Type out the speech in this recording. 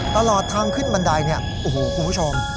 ตลอดทางขึ้นบันไดเนี่ยโอ้โหคุณผู้ชม